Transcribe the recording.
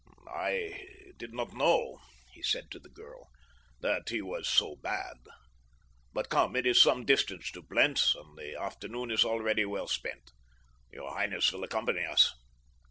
"I did not know," he said to the girl, "that he was so bad. But come—it is some distance to Blentz, and the afternoon is already well spent. Your highness will accompany us."